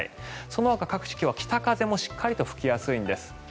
そのほか、各地今日は北風もしっかり吹きやすいんです。